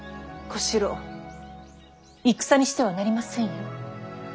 小四郎戦にしてはなりませんよ。